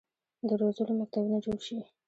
د روزلو مکتبونه جوړ شي.